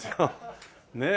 ねえ。